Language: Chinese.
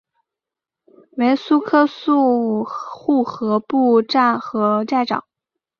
为苏克素护河部沾河寨长。